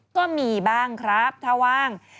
ก็มีบ้างครับถ้าว่าง